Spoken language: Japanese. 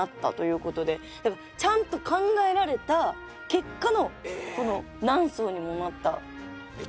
ちゃんと考えられた結果のこの何層にもなった野球ボール。